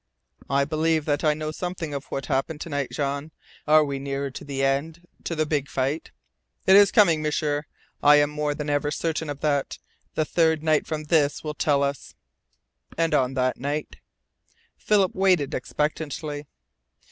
"I believe that I know something of what happened to night, Jean. Are we any nearer to the end to the big fight?" "It is coming, M'sieur. I am more than ever certain of that. The third night from this will tell us." "And on that night " Philip waited expectantly.